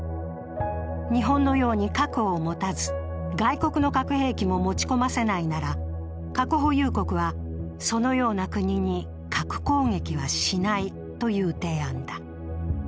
日本のように核を持たず、外国の核兵器も持ち込ませないなら核保有国は、そのような国に核攻撃はしないという提案だ。